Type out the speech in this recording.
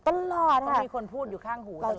เต็ล็อตตค่ะต้องมีคนพูดอยู่ข้างหูตลอด